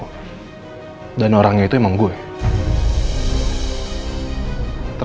kamu ketemu saya nggak mau katakan ini kayak apa